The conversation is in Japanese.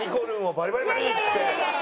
バリバリバリバリっつって。